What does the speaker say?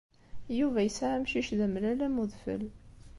Yuba yesɛa amcic d amellal am udfel.